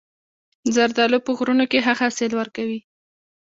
زردالو په غرونو کې ښه حاصل ورکوي.